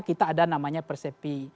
kita ada namanya persepi